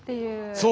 そう。